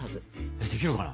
えっできるかな？